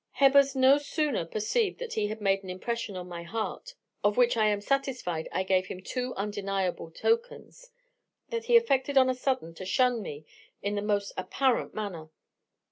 "Hebbers no sooner perceived that he had made an impression on my heart, of which I am satisfied I gave him too undeniable tokens, than he affected on a sudden to shun me in the most apparent manner.